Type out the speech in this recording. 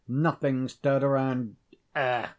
Nothing stirred around. Ugh!